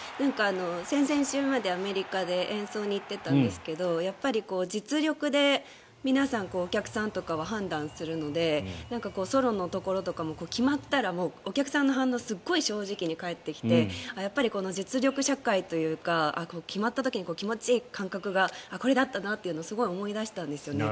先々週までアメリカで演奏に行ってたんですけど実力で皆さんお客さんとかは判断するのでソロのところとかも決まったらお客さんの反応すごく正直に返ってきて実力社会というか決まった時に気持ちい感覚がこれだったなっていうのを思い出したんですよね。